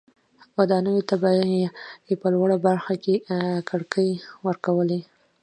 ودانیو ته به یې په لوړه برخه کې کړکۍ ورکولې.